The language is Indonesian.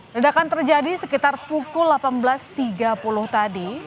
ledakan terjadi sekitar pukul delapan belas tiga puluh tadi